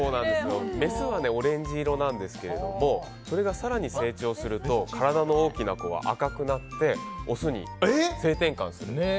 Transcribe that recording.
メスはオレンジ色なんですがそれが更に成長すると体も大きく赤くなってオスに性転換するんです。